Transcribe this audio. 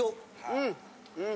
うんうん。